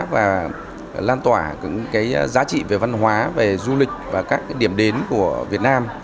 và lan tỏa những giá trị về văn hóa về du lịch và các điểm đến của việt nam